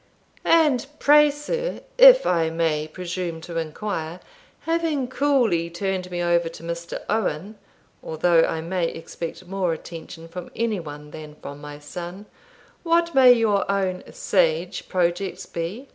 And, pray, sir, if I may presume to inquire, having coolly turned me over to Mr. Owen (although I may expect more attention from any one than from my son), what may your own sage projects be?"